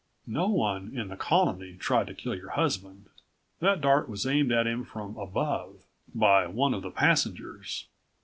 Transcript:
No one in the Colony tried to kill your husband. That dart was aimed at him from above by one of the passengers.